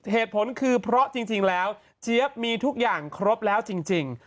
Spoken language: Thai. เหตุผลคือเพราะจริงแล้วเจี๊ยบมีทุกอย่างครบแล้วจริง